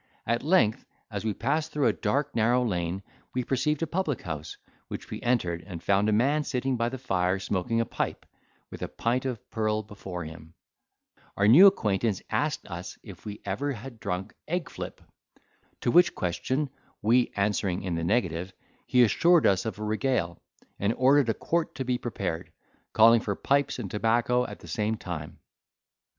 At length, as we passed through a dark narrow lane, we perceived a public house, which we entered, and found a man sitting by the fire, smoking a pipe, with a pint of purl before him. Our new acquaintance asked us if ever we had drunk egg flip? To which question we answering in the negative, he assured us of a regale, and ordered a quart to be prepared, calling for pipes and tobacco at the same time.